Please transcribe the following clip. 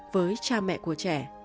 với cha mẹ của trẻ